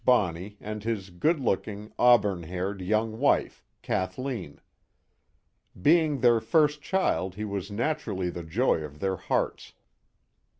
Bonney and his good looking, auburn haired young wife, Kathleen. Being their first child he was naturally the joy of their hearts.